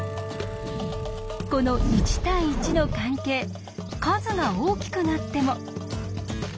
この１対１の関係数が大きくなっても。